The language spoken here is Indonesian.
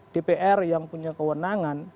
dpr yang punya kewenangan